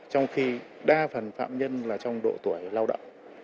trong khi đa phần phạm nhân là trong độ tuổi lao động